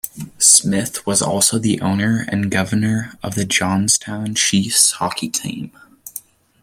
Smith was also the owner and Governor of the Johnstown Chiefs hockey team.